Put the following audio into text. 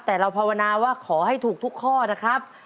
แต่เราภาวนาว่าขอให้ถูกทุกข้อนะครับ